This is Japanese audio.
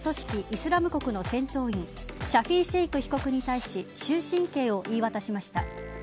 ・イスラム国の戦闘員シャフィ・シェイク被告に対し終身刑を言い渡しました。